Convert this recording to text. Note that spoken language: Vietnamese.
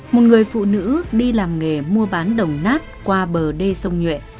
một người phụ nữ đi làm nghề mua bán đồng nát qua bờ đê sông nhuệ